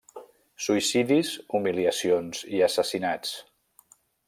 Suïcidis, humiliacions i assassinats.